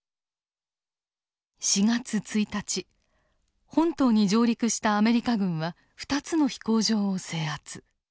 ４月１日本島に上陸したアメリカ軍は２つの飛行場を制圧。